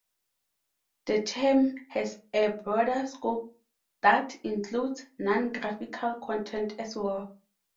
The term has a broader scope that includes non-graphical content as well.